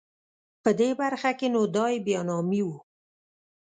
په دې برخه کې نو دای بیا نامي و.